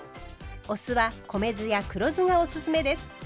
お酢は米酢や黒酢がおすすめです。